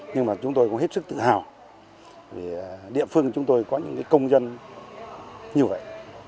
nhưng mà chúng tôi cũng hết sức tự hào vì địa phương chúng tôi có những công dân như vậy